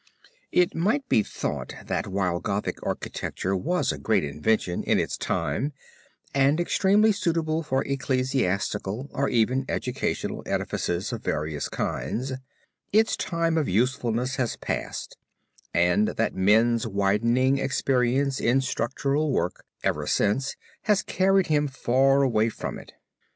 It might be thought, that while Gothic architecture was a great invention in its time and extremely suitable for ecclesiastical or even educational edifices of various kinds, its time of usefulness has passed and that men's widening experience in structural work, ever since, has carried him far away from it.